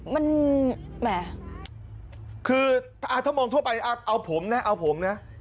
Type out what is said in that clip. มันแหมคือถ้ามองทั่วไปเอาผมนะเอาผมนะ